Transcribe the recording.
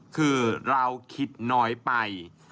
คือเราคิดน้อยไป